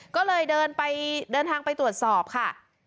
ก็เลยเดินทางไปตรวจสอบค่ะ